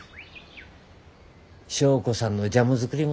祥子さんのジャム作り